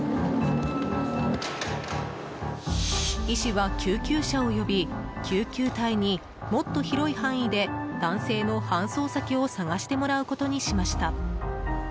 医師は救急車を呼び救急隊に、もっと広い範囲で男性の搬送先を探してもらうことにしました。